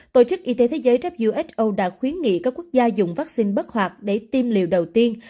tổ chức y tế thế giới who đã khuyến nghị các quốc gia dùng vaccine bất hoạt để tiêm liều đầu tiên